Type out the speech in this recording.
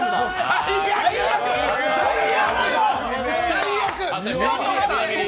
最悪！